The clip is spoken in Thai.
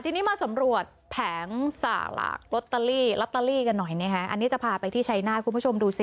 ทีนี้มาสำรวจแผงนักสาหกรับตัลลี่กันหน่อยนี่นี่คะอันนี้จะพาไปชัยชมคุณผู้ชมดู